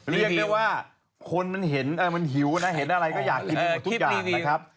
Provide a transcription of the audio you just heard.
เรียกได้ว่าคนมันเห็นมันหิวนะเห็นอะไรก็อยากกินหมดทุกอย่างนะครับ